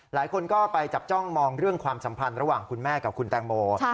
หลายคนก็ไปจับจ้องมองเรื่องความสัมพันธ์ระหว่างคุณแม่กับคุณแตงโม